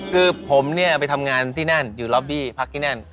คือผมเนี่ยไปทำงานที่นั่นอยู่ล็อบบี้พักที่นั่น